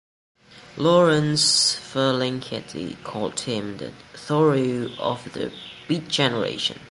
Lawrence Ferlinghetti called him the Thoreau of the Beat Generation.